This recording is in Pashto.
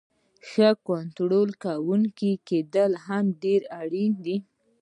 ښه کنټرول کوونکی کیدل هم ډیر اړین دی.